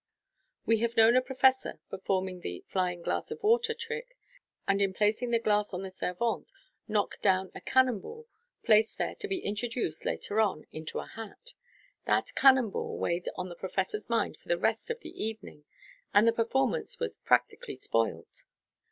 We have known a professor, performing the " flying glass of water " trick, and in placing the glass on the servante, knock down a cannon ball, placed there to be introduced, later on, into a hat. That cannon ball weighed on the professor's mind for the rest of the evening, and the performance was practically spoilt.